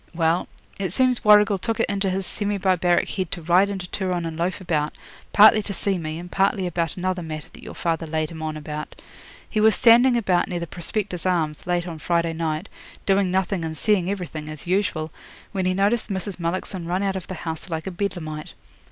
Well, it seems Warrigal took it into his semi barbaric head to ride into Turon and loaf about, partly to see me, and partly about another matter that your father laid him on about. He was standing about near the Prospectors' Arms, late on Friday night, doing nothing and seeing everything, as usual, when he noticed Mrs. Mullockson run out of the house like a Bedlamite.